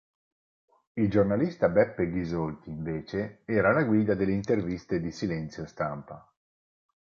Il giornalista Beppe Ghisolfi, invece, era alla guida delle interviste di "Silenzio stampa".